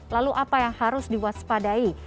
lalu apa yang harus diwaspadai